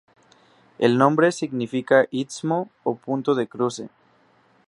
El nombre significa "istmo" o "punto de cruce".